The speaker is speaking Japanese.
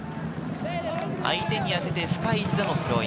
相手に当てて深い位置でのスローイン。